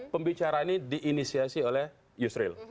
pembicaraan ini diinisiasi oleh yusril